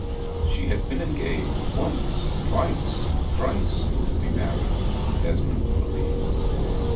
She had been engaged once, twice, thrice, to be married, Esmond believed.